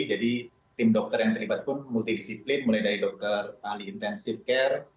jadi tim dokter yang terlibat pun multidisiplin mulai dari dokter ahli intensive care